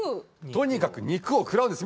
とにかく肉を食らうんです。